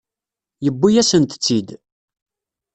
Yewwi-yasent-tt-id.